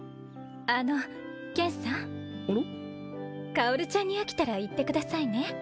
薫ちゃんに飽きたら言ってくださいね。